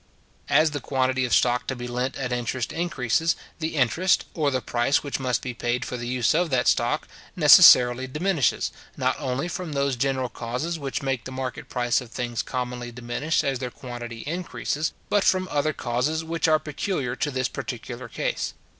As the quantity of stock to be lent at interest increases, the interest, or the price which must be paid for the use of that stock, necessarily diminishes, not only from those general causes which make the market price of things commonly diminish as their quantity increases, but from other causes which are peculiar to this particular case.